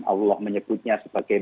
allah menyebutnya sebagai